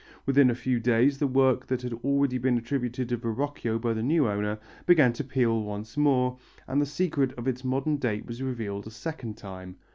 Within a few days the work that had already been attributed to Verrocchio by the new owner, began to peel once more, and the secret of its modern date was revealed a second time.